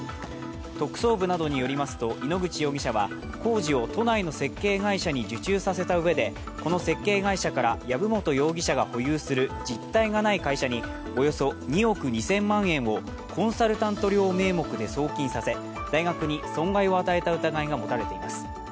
特捜部などによりますと井ノ口容疑者は、工事を都内の設計会社に受注させた上でこの設計会社から籔本容疑者が保有する実体がない会社におよそ２億２０００万円をコンサルタント料名目で送金させ大学に損害を与えた疑いが持たれています。